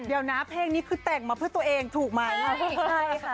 เดี๋ยวนะเพลงนี้คือแต่งมาเพื่อตัวเองถูกไหมใช่ค่ะ